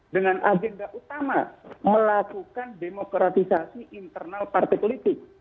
dengan agenda utama melakukan demokratisasi internal partai politik